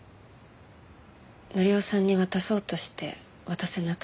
紀夫さんに渡そうとして渡せなくて。